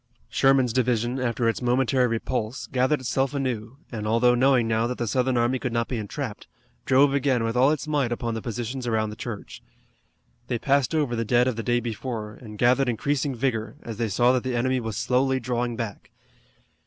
Sherman's division, after its momentary repulse, gathered itself anew, and, although knowing now that the Southern army could not be entrapped, drove again with all its might upon the positions around the church. They passed over the dead of the day before, and gathered increasing vigor, as they saw that the enemy was slowly drawing back.